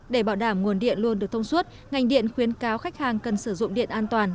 để bảo đảm nguồn điện luôn được thông suốt ngành điện khuyến cáo khách hàng cần sử dụng điện an toàn